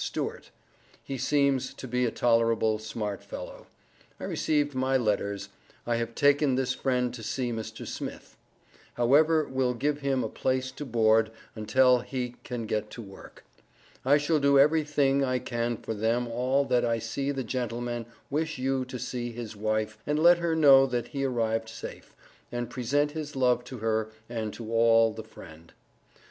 Stuert, he seemes to be a tolerable smart fellow. I Rec'd my letters. I have taken this friend to see Mr. Smith. However will give him a place to board untell he can get to work. I shall do every thing I can for them all that I see the gentleman wish you to see his wife and let her know that he arrived safe, and present his love to her and to all the friend.